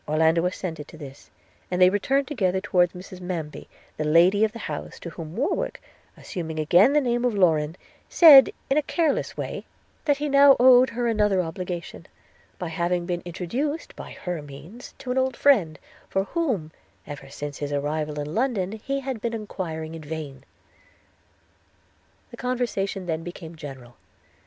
Orlando assented to this, and they returned together towards Mrs Manby, the lady of the house, to whom Warwick, assuming again the name of Lorrain, said, in a careless way, 'that he now owed her another obligation, by having been introduced, by her means, to an old friend, for whom, ever since his arrival in London, he had been enquiring in vain.' The conversation then became general.